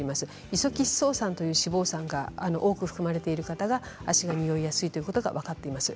イソ吉草酸という脂肪酸が多く含まれている方は汗がにおいやすいということが分かっています。